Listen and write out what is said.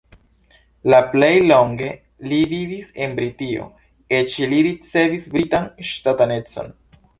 La plej longe li vivis en Britio, eĉ li ricevis britan ŝtatanecon.